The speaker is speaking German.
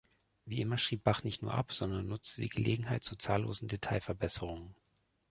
Wie immer schrieb Bach nicht nur ab, sondern nutzte die Gelegenheit zu zahllosen Detailverbesserungen.